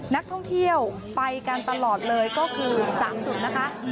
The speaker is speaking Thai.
นักท่องเที่ยวไปกันตลอดเลยก็คือ๓จุดนะคะ